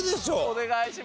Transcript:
お願いします。